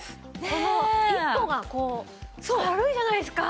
この一歩がこう軽いじゃないですか。